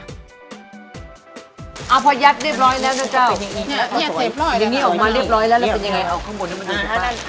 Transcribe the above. อ้าพยัดเรียบร้อยแล้วเจ้า